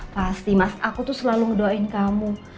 pasti mas aku tuh selalu ngedoain kamu